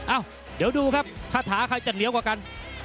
เอ้าเดี๋ยวดูครับคาถาใครจะเหนียวกว่ากัน